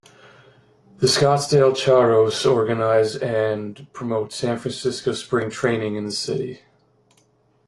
The Scottsdale Charros organize and promote San Francisco spring training in the city.